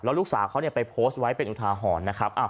ลูกสาวเขาไปโพสต์ไว้เป็นอุทาหรณ์นะครับ